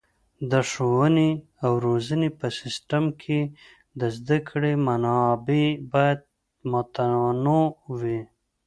د ښوونې او روزنې په سیستم کې د زده کړې منابع باید متنوع وي.